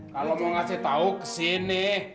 kalo mau ngasih tau kesini